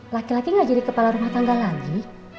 laki laki gak jadi kepala rumah tangga lagi